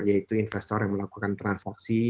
yaitu investor yang melakukan transaksi